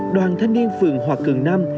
đoàn thanh niên phường hòa cường nam